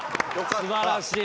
素晴らしい！